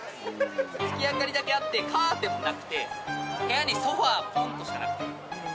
月明かりだけあってカーテンもなくて部屋にソファポンとしかなくて。